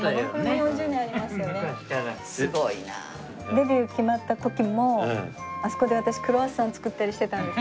デビュー決まった時もあそこで私クロワッサン作ったりしてたんです。